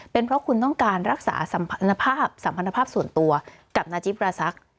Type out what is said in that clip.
เป็นเพราะคุณต้องการรักษาสัมพันธภาพส่วนตัวกับนาจิปราศักดิ์